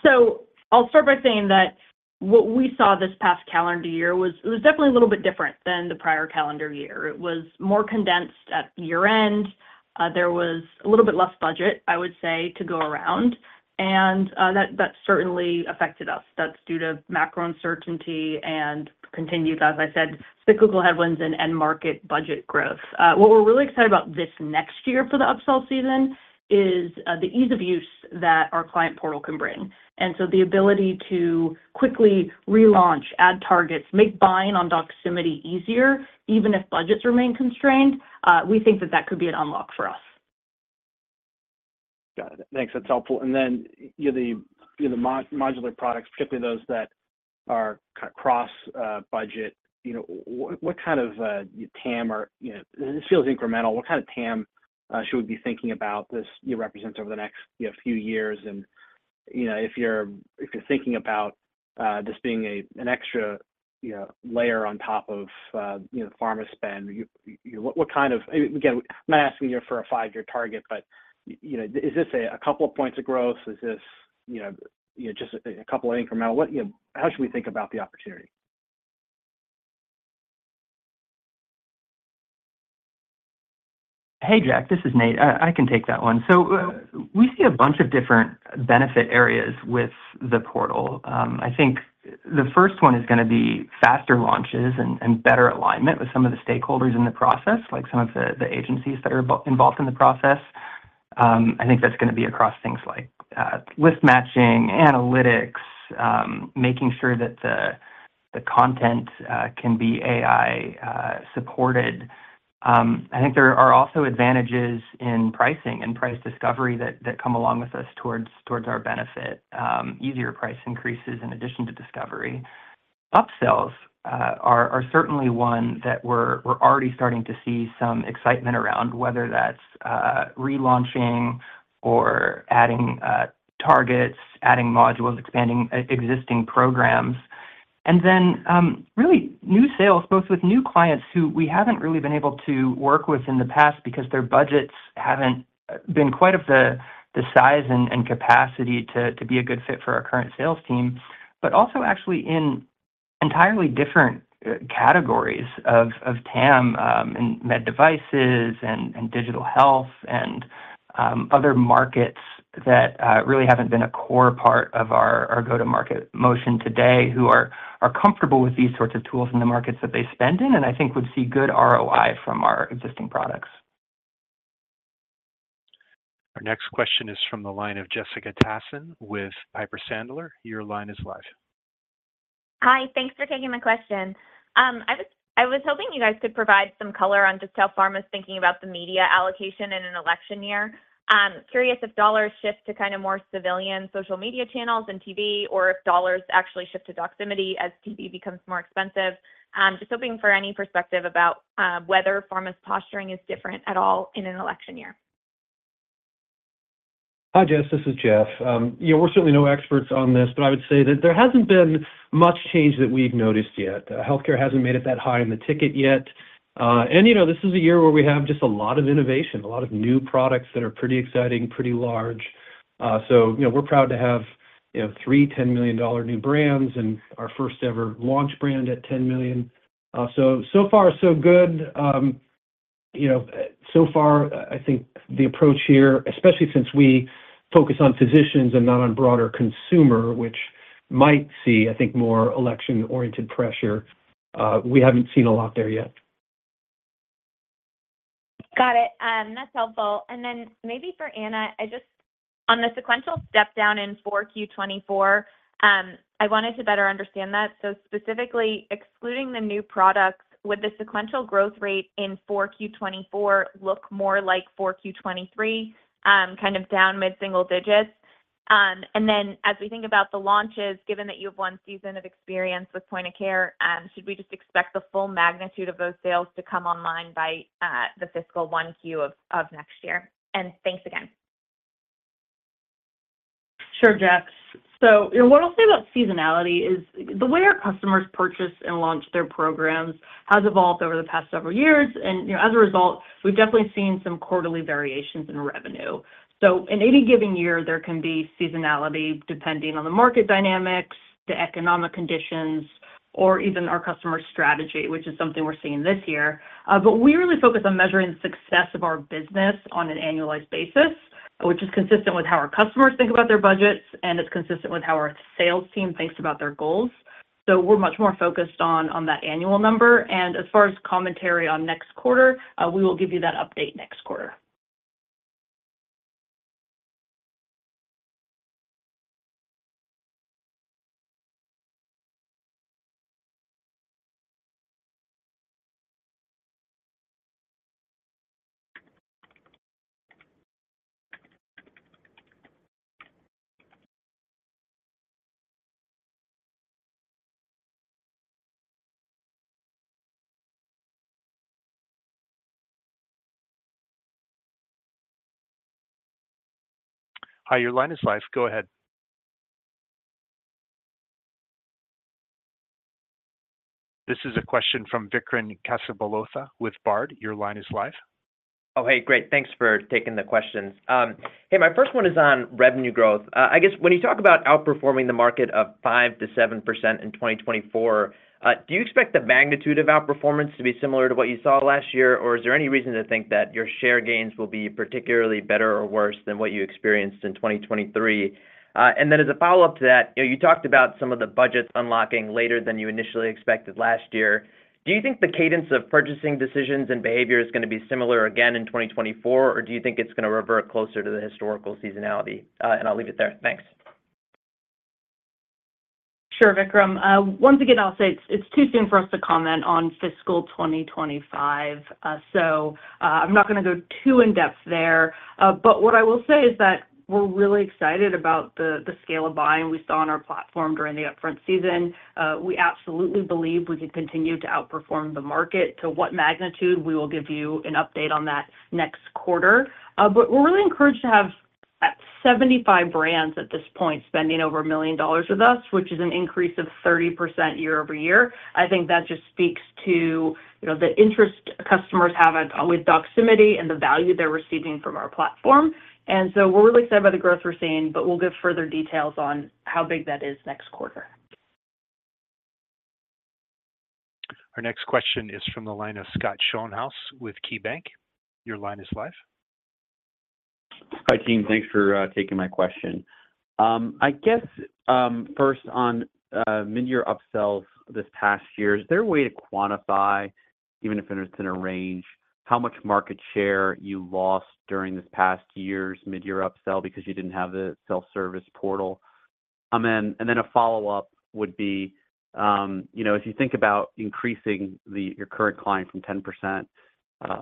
So I'll start by saying that what we saw this past calendar year was. It was definitely a little bit different than the prior calendar year. It was more condensed at year-end. There was a little bit less budget, I would say, to go around, and that certainly affected us. That's due to macro uncertainty and continued, as I said, cyclical headwinds and end market budget growth. What we're really excited about this next year for the upsell season is the ease of use that our client portal can bring, and so the ability to quickly relaunch, add targets, make buying on Doximity easier, even if budgets remain constrained. We think that could be an unlock for us. Got it. Thanks. That's helpful. And then, you know, the modular products, particularly those that are cross-budget, you know, what kind of TAM or, you know, this feels incremental. What kind of TAM should we be thinking about this, you know, represents over the next few years? And, you know, if you're thinking about this being an extra, you know, layer on top of, you know, pharma spend, what kind of—again, I'm not asking you for a five-year target, but, you know, is this a couple of points of growth? Is this, you know, you know, just a couple of incremental? What, you know, how should we think about the opportunity? Hey, Jack, this is Nate. I can take that one. So we see a bunch of different benefit areas with the portal. I think the first one is gonna be faster launches and better alignment with some of the stakeholders in the process, like some of the agencies that are involved in the process. I think that's gonna be across things like list matching, analytics, making sure that the content can be AI supported. I think there are also advantages in pricing and price discovery that come along with us towards our benefit. Easier price increases in addition to discovery. Upsells are certainly one that we're already starting to see some excitement around, whether that's relaunching or adding targets, adding modules, expanding existing programs. Then really new sales, both with new clients who we haven't really been able to work with in the past because their budgets haven't been quite of the size and capacity to be a good fit for our current sales team. But also actually in entirely different categories of TAM in med devices and digital health and other markets that really haven't been a core part of our go-to-market motion today, who are comfortable with these sorts of tools in the markets that they spend in, and I think would see good ROI from our existing products. Our next question is from the line of Jessica Tassan with Piper Sandler. Your line is live. Hi, thanks for taking my question. I was hoping you guys could provide some color on just how pharma is thinking about the media allocation in an election year. I'm curious if dollars shift to kind of more civilian social media channels than TV, or if dollars actually shift to Doximity as TV becomes more expensive. Just hoping for any perspective about whether pharma's posturing is different at all in an election year. Hi, Jess, this is Jeff. Yeah, we're certainly no experts on this, but I would say that there hasn't been much change that we've noticed yet. Healthcare hasn't made it that high in the ticket yet. And, you know, this is a year where we have just a lot of innovation, a lot of new products that are pretty exciting, pretty large. So, you know, we're proud to have, you know, three $10 million new brands and our first ever launch brand at $10 million. So, so far, so good. You know, so far, I think the approach here, especially since we focus on physicians and not on broader consumer, which might see, I think, more election-oriented pressure, we haven't seen a lot there yet. Got it. That's helpful. And then maybe for Anna, I just, on the sequential step down in Q4 2024, I wanted to better understand that. So specifically, excluding the new products, would the sequential growth rate in Q4 2024 look more like Q4 2023, kind of down mid-single digits? And then as we think about the launches, given that you have one season of experience with point of care, should we just expect the full magnitude of those sales to come online by the fiscal 1Q of next year? And thanks again. Sure, Jess. So what I'll say about seasonality is the way our customers purchase and launch their programs has evolved over the past several years, and, you know, as a result, we've definitely seen some quarterly variations in revenue. So in any given year, there can be seasonality, depending on the market dynamics, the economic conditions, or even our customer strategy, which is something we're seeing this year. But we really focus on measuring success of our business on an annualized basis, which is consistent with how our customers think about their budgets, and it's consistent with how our sales team thinks about their goals. So we're much more focused on that annual number, and as far as commentary on next quarter, we will give you that update next quarter. Hi, your line is live. Go ahead. This is a question from Vikram Kesavabhotla with Baird. Your line is live. Oh, hey, great, thanks for taking the questions. Hey, my first one is on revenue growth. I guess when you talk about outperforming the market of 5%-7% in 2024, do you expect the magnitude of outperformance to be similar to what you saw last year? Or is there any reason to think that your share gains will be particularly better or worse than what you experienced in 2023? And then as a follow-up to that, you know, you talked about some of the budgets unlocking later than you initially expected last year. Do you think the cadence of purchasing decisions and behavior is gonna be similar again in 2024, or do you think it's gonna revert closer to the historical seasonality? And I'll leave it there. Thanks. Sure, Vikram. Once again, I'll say it's too soon for us to comment on fiscal 2025, so I'm not gonna go too in-depth there. But what I will say is that we're really excited about the scale of buying we saw on our platform during the upfront season. We absolutely believe we can continue to outperform the market. To what magnitude, we will give you an update on that next quarter. But we're really encouraged to have 75 brands at this point spending over $1 million with us, which is an increase of 30% year-over-year. I think that just speaks to, you know, the interest customers have with Doximity and the value they're receiving from our platform. And so we're really excited by the growth we're seeing, but we'll give further details on how big that is next quarter. Our next question is from the line of Scott Schoenhaus with KeyBanc. Your line is live. Hi, team. Thanks for taking my question. I guess, first on mid-year upsells this past year, is there a way to quantify, even if it's in a range, how much market share you lost during this past year's mid-year upsell because you didn't have the self-service portal? And then a follow-up would be, you know, if you think about increasing the, your current client from 10%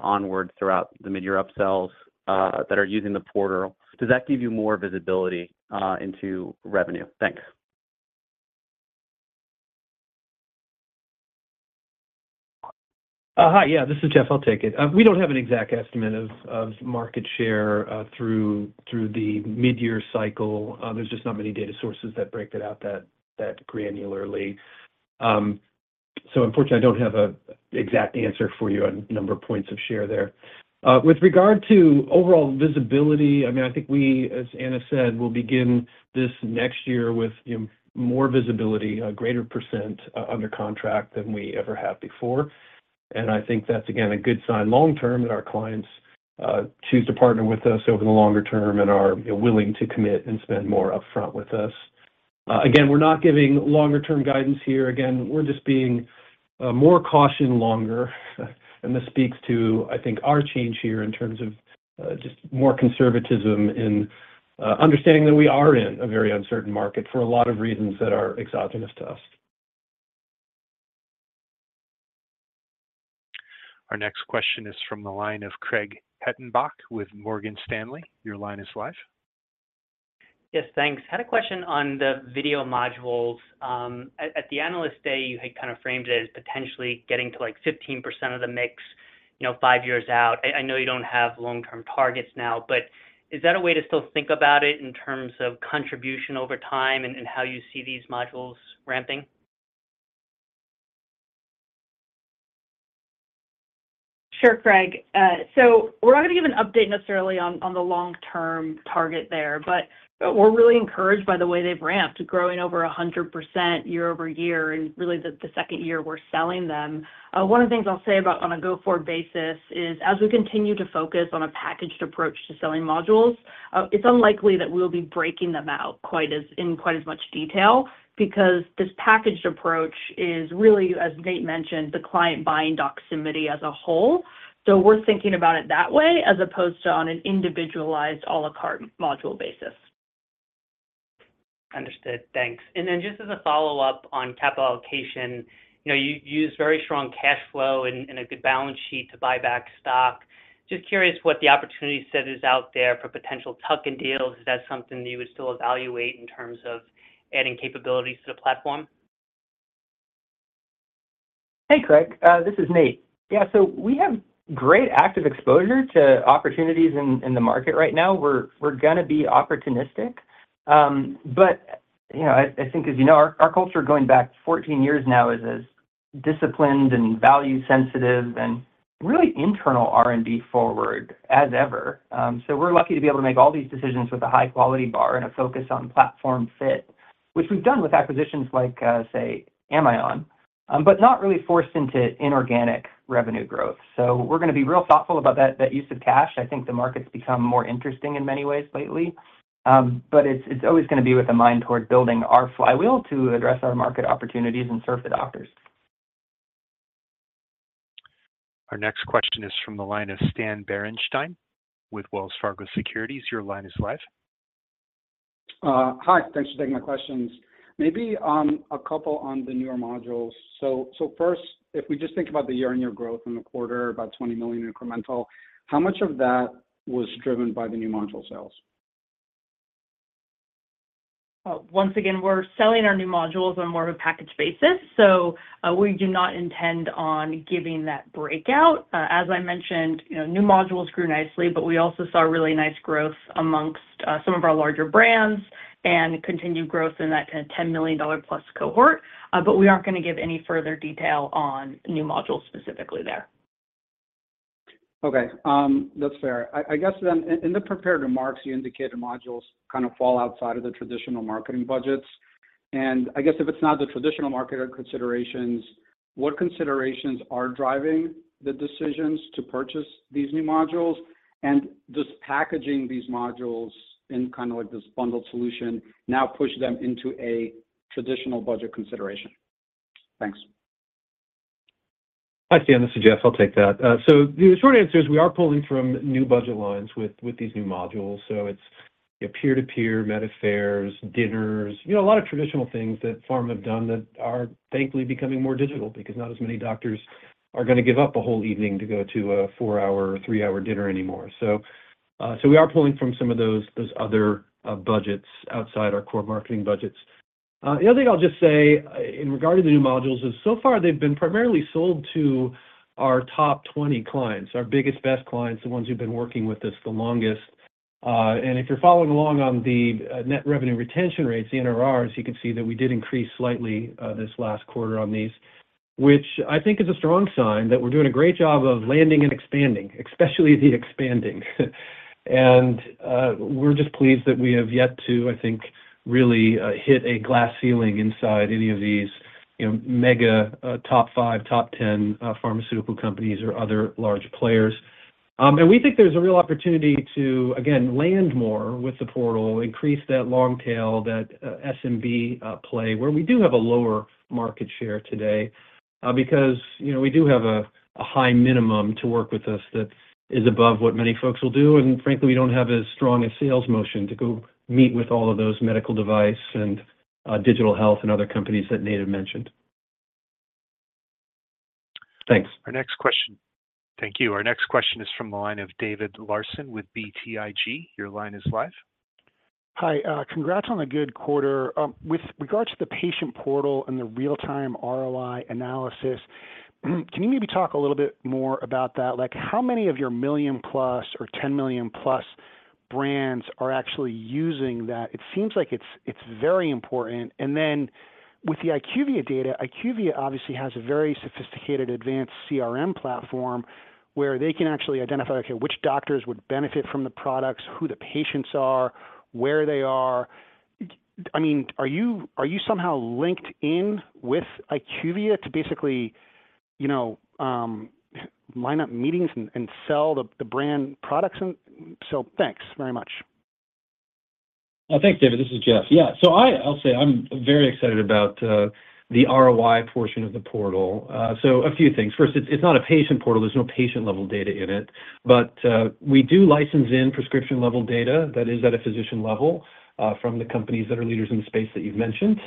onwards throughout the mid-year upsells that are using the portal, does that give you more visibility into revenue? Thanks. Hi. Yeah, this is Jeff. I'll take it. We don't have an exact estimate of market share through the mid-year cycle. There's just not many data sources that break that out that granularly. So unfortunately, I don't have an exact answer for you on number of points of share there. With regard to overall visibility, I mean, I think we, as Anna said, will begin this next year with, you know, more visibility, a greater percent under contract than we ever have before. And I think that's, again, a good sign long term, that our clients choose to partner with us over the longer term and are willing to commit and spend more upfront with us. Again, we're not giving longer-term guidance here. Again, we're just being more caution longer, and this speaks to, I think, our change here in terms of just more conservatism, understanding that we are in a very uncertain market for a lot of reasons that are exogenous to us. Our next question is from the line of Craig Hettenbach with Morgan Stanley. Your line is live. Yes, thanks. Had a question on the video modules. At the Analyst Day, you had kind of framed it as potentially getting to, like, 15% of the mix, you know, five years out. I know you don't have long-term targets now, but is that a way to still think about it in terms of contribution over time and how you see these modules ramping? Sure, Craig. So we're not gonna give an update necessarily on, on the long-term target there, but we're really encouraged by the way they've ramped, growing over 100% year-over-year, and really the, the second year we're selling them. One of the things I'll say about on a go-forward basis is, as we continue to focus on a packaged approach to selling modules, it's unlikely that we'll be breaking them out quite as much detail, because this packaged approach is really, as Nate mentioned, the client buying Doximity as a whole. So we're thinking about it that way, as opposed to on an individualized, à la carte module basis. Understood. Thanks. And then just as a follow-up on capital allocation, you know, you use very strong cash flow and a good balance sheet to buy back stock. Just curious what the opportunity set is out there for potential tuck-in deals. Is that something you would still evaluate in terms of adding capabilities to the platform? Hey, Craig, this is Nate. Yeah, so we have great active exposure to opportunities in the market right now. We're gonna be opportunistic. But, you know, I think, as you know, our culture going back 14 years now is as disciplined and value-sensitive and really internal R&D forward as ever. So we're lucky to be able to make all these decisions with a high-quality bar and a focus on platform fit, which we've done with acquisitions like, say, Amion, but not really forced into inorganic revenue growth. So we're gonna be real thoughtful about that use of cash. I think the market's become more interesting in many ways lately. But it's always gonna be with a mind toward building our flywheel to address our market opportunities and serve the doctors. Our next question is from the line of Stan Berenshteyn with Wells Fargo Securities. Your line is live. Hi, thanks for taking my questions. Maybe, a couple on the newer modules. So first, if we just think about the year-on-year growth in the quarter, about $20 million incremental, how much of that was driven by the new module sales? Once again, we're selling our new modules on more of a package basis, so, we do not intend on giving that breakout. As I mentioned, you know, new modules grew nicely, but we also saw really nice growth amongst some of our larger brands and continued growth in that $10+ million cohort. But we aren't gonna give any further detail on new modules specifically there. Okay. That's fair. I guess then in the prepared remarks, you indicated modules kind of fall outside of the traditional marketing budgets, and I guess if it's not the traditional market considerations, what considerations are driving the decisions to purchase these new modules? And does packaging these modules in kind of like this bundled solution now push them into a traditional budget consideration? Thanks. Hi, Stan, this is Jeff. I'll take that. So the short answer is we are pulling from new budget lines with these new modules, so it's, you know, peer-to-peer, med affairs, dinners, you know, a lot of traditional things that pharma have done that are thankfully becoming more digital, because not as many doctors are gonna give up a whole evening to go to a four-hour or three-hour dinner anymore. So we are pulling from some of those other budgets outside our core marketing budgets. The other thing I'll just say in regard to the new modules is, so far, they've been primarily sold to our top 20 clients, our biggest, best clients, the ones who've been working with us the longest. And if you're following along on the net revenue retention rates, the NRR, as you can see, that we did increase slightly this last quarter on these, which I think is a strong sign that we're doing a great job of landing and expanding, especially the expanding. We're just pleased that we have yet to, I think, really hit a glass ceiling inside any of these, you know, mega top five, top 10 pharmaceutical companies or other large players. And we think there's a real opportunity to, again, land more with the portal, increase that long tail, that SMB play, where we do have a lower market share today, because, you know, we do have a high minimum to work with us that is above what many folks will do. Frankly, we don't have as strong a sales motion to go meet with all of those medical device and digital health and other companies that Nate had mentioned. Thanks. Our next question. Thank you. Our next question is from the line of David Larsen with BTIG. Your line is live. Hi. Congrats on a good quarter. With regards to the patient portal and the real-time ROI analysis, can you maybe talk a little bit more about that? Like, how many of your $1+ million or $10+ million brands are actually using that? It seems like it's very important. And then, with the IQVIA data, IQVIA obviously has a very sophisticated, advanced CRM platform where they can actually identify, okay, which doctors would benefit from the products, who the patients are, where they are. I mean, are you somehow linked in with IQVIA to basically, you know, line up meetings and sell the brand products? And so thanks very much. Well, thanks, David. This is Jeff. Yeah, so I'll say I'm very excited about the ROI portion of the portal. So a few things. First, it's not a patient portal. There's no patient-level data in it, but we do license in prescription-level data that is at a physician level from the companies that are leaders in the space that you've mentioned.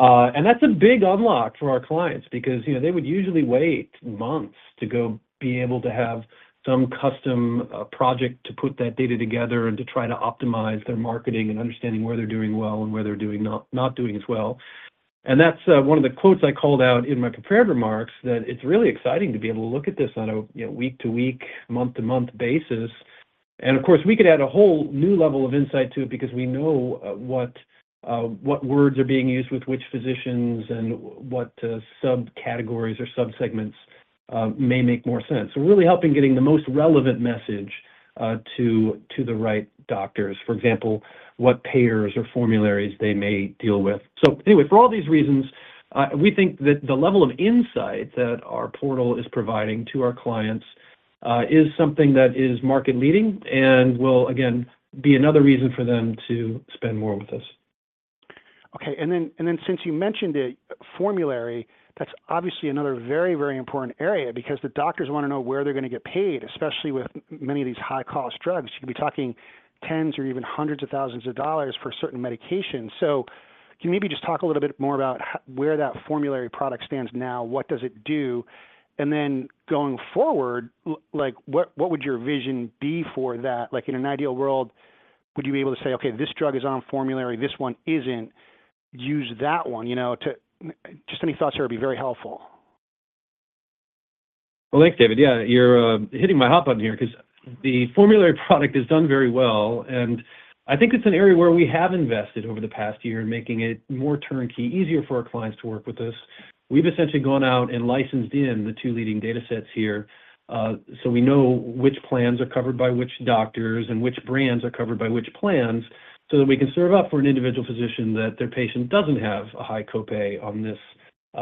And that's a big unlock for our clients because, you know, they would usually wait months to be able to have some custom project to put that data together and to try to optimize their marketing and understanding where they're doing well and where they're not doing as well. That's one of the quotes I called out in my prepared remarks, that it's really exciting to be able to look at this on a, you know, week-to-week, month-to-month basis. Of course, we could add a whole new level of insight to it because we know what words are being used with which physicians and what subcategories or subsegments may make more sense. So really helping getting the most relevant message to the right doctors. For example, what payers or formularies they may deal with. So anyway, for all these reasons, we think that the level of insight that our portal is providing to our clients is something that is market-leading and will again be another reason for them to spend more with us. Okay, and then, and then since you mentioned it, formulary, that's obviously another very, very important area because the doctors wanna know where they're gonna get paid, especially with many of these high-cost drugs. You could be talking $10,000 or even $100,000 for certain medications. So can you maybe just talk a little bit more about where that formulary product stands now? What does it do? And then going forward, like, what would your vision be for that? Like, in an ideal world, would you be able to say, "Okay, this drug is on formulary, this one isn't. Use that one." You know, to just any thoughts here would be very helpful. Well, thanks, David. Yeah, you're hitting my hot button here 'cause the formulary product has done very well, and I think it's an area where we have invested over the past year in making it more turnkey, easier for our clients to work with us. We've essentially gone out and licensed in the two leading data sets here, so we know which plans are covered by which doctors and which brands are covered by which plans, so that we can serve up for an individual physician that their patient doesn't have a high copay on this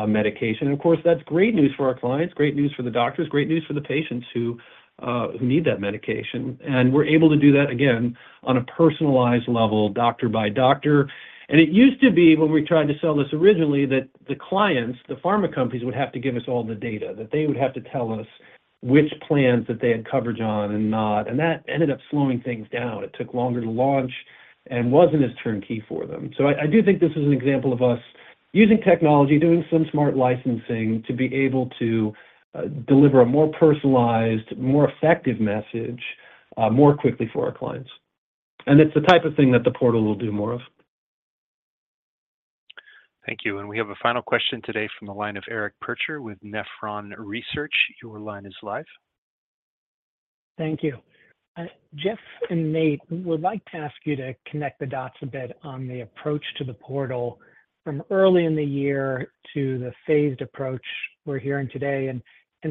medication. And of course, that's great news for our clients, great news for the doctors, great news for the patients who need that medication. And we're able to do that again on a personalized level, doctor by doctor. It used to be, when we tried to sell this originally, that the clients, the pharma companies, would have to give us all the data, that they would have to tell us which plans that they had coverage on and not, and that ended up slowing things down. It took longer to launch and wasn't as turnkey for them. So I do think this is an example of us using technology, doing some smart licensing to be able to deliver a more personalized, more effective message more quickly for our clients, and it's the type of thing that the portal will do more of. Thank you. We have a final question today from the line of Eric Percher with Nephron Research. Your line is live. Thank you. Jeff and Nate, would like to ask you to connect the dots a bit on the approach to the portal from early in the year to the phased approach we're hearing today, and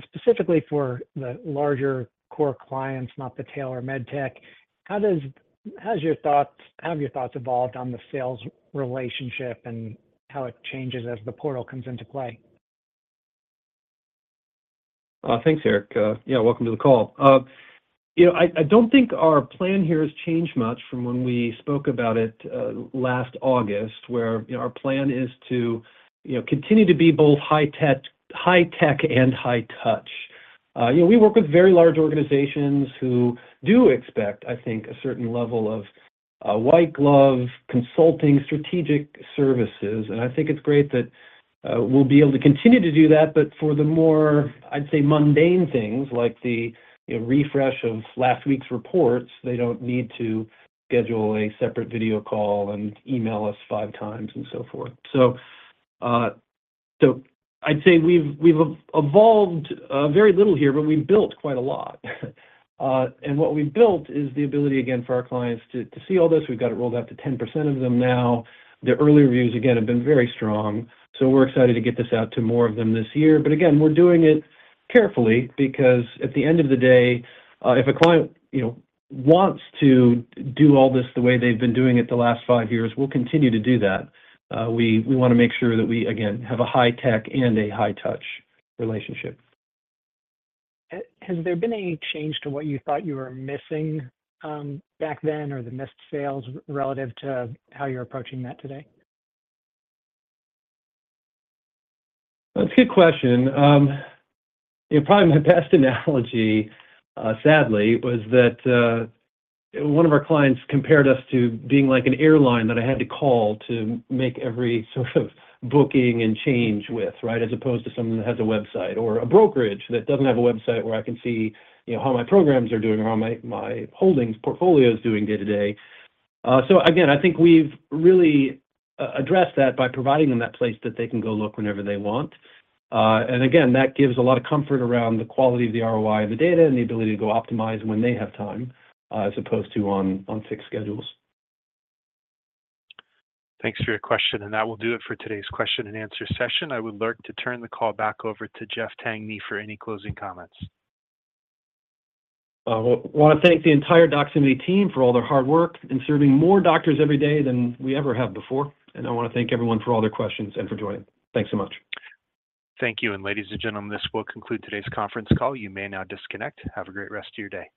specifically for the larger core clients, not the tail or medtech. Have your thoughts evolved on the sales relationship and how it changes as the portal comes into play? Thanks, Eric. Yeah, welcome to the call. You know, I, I don't think our plan here has changed much from when we spoke about it last August, where, you know, our plan is to, you know, continue to be both high-tech, high-tech and high-touch. You know, we work with very large organizations who do expect, I think, a certain level of white-glove consulting, strategic services, and I think it's great that we'll be able to continue to do that. But for the more, I'd say, mundane things, like the, you know, refresh of last week's reports, they don't need to schedule a separate video call and email us five times, and so forth. So, so I'd say we've evolved very little here, but we've built quite a lot. And what we've built is the ability, again, for our clients to see all this. We've got it rolled out to 10% of them now. Their early reviews, again, have been very strong, so we're excited to get this out to more of them this year. But again, we're doing it carefully because at the end of the day, if a client, you know, wants to do all this the way they've been doing it the last five years, we'll continue to do that. We wanna make sure that we, again, have a high-tech and a high-touch relationship. Has there been any change to what you thought you were missing, back then, or the missed sales relative to how you're approaching that today? That's a good question. Probably my best analogy, sadly, was that one of our clients compared us to being like an airline that I had to call to make every sort of booking and change with, right? As opposed to someone that has a website or a brokerage that doesn't have a website where I can see, you know, how my programs are doing or how my, my holdings portfolio is doing day-to-day. So again, I think we've really addressed that by providing them that place that they can go look whenever they want. And again, that gives a lot of comfort around the quality of the ROI of the data and the ability to go optimize when they have time, as opposed to on fixed schedules. Thanks for your question, and that will do it for today's question and answer session. I would like to turn the call back over to Jeff Tangney for any closing comments. I wanna thank the entire Doximity team for all their hard work in serving more doctors every day than we ever have before. I wanna thank everyone for all their questions and for joining. Thanks so much. Thank you, and ladies and gentlemen, this will conclude today's conference call. You may now disconnect. Have a great rest of your day.